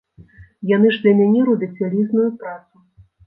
Яны ж для мяне робяць вялізную працу.